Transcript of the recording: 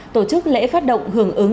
tổ chức lễ phát động hưởng ứng